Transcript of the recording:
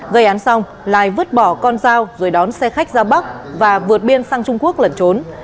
gây án xong lai vứt bỏ con dao rồi đón xe khách ra bắc và vượt biên sang trung quốc lẩn trốn